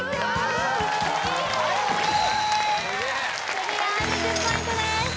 クリア２０ポイントです